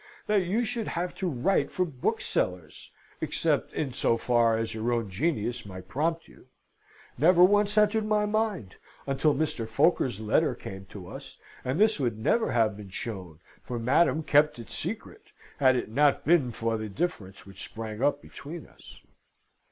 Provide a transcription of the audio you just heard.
that you should have to write for booksellers (except in so far as your own genius might prompt you), never once entered my mind, until Mr. Foker's letter came to us, and this would never have been shown for Madam kept it secret had it not been for the difference which sprang up between us.